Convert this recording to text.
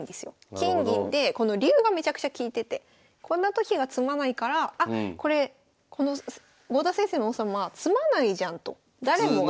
金銀でこの竜がめちゃくちゃ利いててこんなときは詰まないからあこれこの郷田先生の王様詰まないじゃんと誰もが。